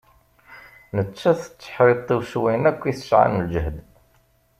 Nettat tetteḥriṭṭiw s wayen akk i tesɛa n lǧehd.